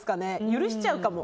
許しちゃうかな。